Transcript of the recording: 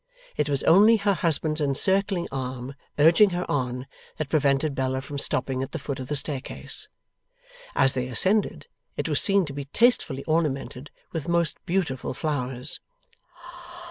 It was only her husband's encircling arm, urging her on, that prevented Bella from stopping at the foot of the staircase. As they ascended, it was seen to be tastefully ornamented with most beautiful flowers.